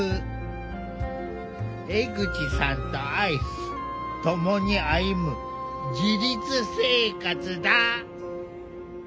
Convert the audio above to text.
江口さんとアイス共に歩む自立生活だ。